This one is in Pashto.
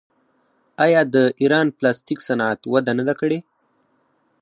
آیا د ایران پلاستیک صنعت وده نه ده کړې؟